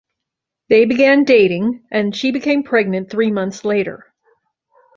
They began dating, and she became pregnant three months later.